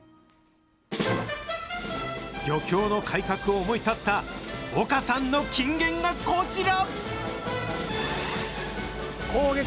漁協の改革を思い立った岡さんの金言がこちら。